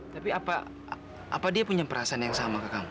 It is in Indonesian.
tapi apa dia punya perasaan yang sama ke kamu